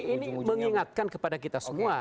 ini mengingatkan kepada kita semua